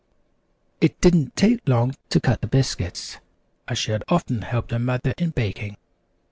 It didn't take long to cut the biscuits, as she had often helped her mother in baking.